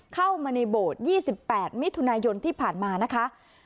เข้ามาในโบสถ์ยี่สิบแปดมิถุนายนที่ผ่านมานะคะ